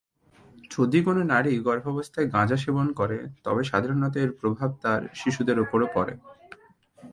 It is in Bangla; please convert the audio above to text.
যদি কোন নারী গর্ভাবস্থায় গাঁজা সেবন করে তবে সাধারণত এর প্রভাব তাদের শিশুদের উপরও পড়ে।